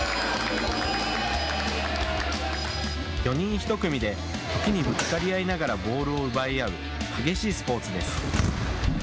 ４人１組で時にぶつかり合いながらボールを奪い合う激しいスポーツです。